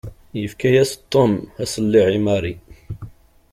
Yefka-yas Tom aṣelliɛ i Mary.